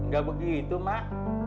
gak begitu mak